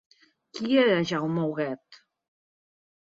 Qui era Jaume Huguet?